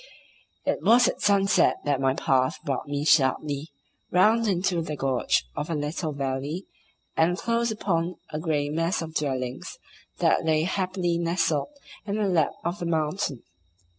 It was at sunset that my path brought me sharply round into the gorge of a little valley, and close upon a grey mass of dwellings that lay happily nestled in the lap of the mountain.